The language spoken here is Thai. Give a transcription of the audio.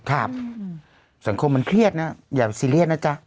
สังคมมันเครียดนะอย่าซีเรียสนะจ๊ะ